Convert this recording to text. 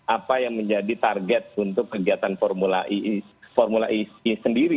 apa yang menjadi target untuk kegiatan formula e sendiri